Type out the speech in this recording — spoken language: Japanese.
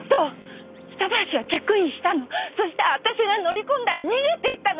そして私が乗り込んだら逃げていったの。